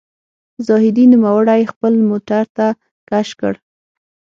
زاهدي نوموړی خپل موټر ته کش کړ.